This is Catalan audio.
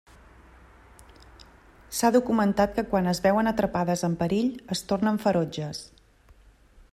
S'ha documentat que quan es veuen atrapades en perill, es tornen ferotges.